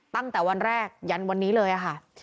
ตั้งแต่วันแรกยันวันนี้เลยค่ะ